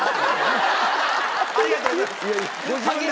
ありがとうございます。